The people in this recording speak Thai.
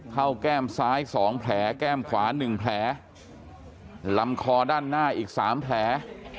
แก้มซ้าย๒แผลแก้มขวา๑แผลลำคอด้านหน้าอีกสามแผล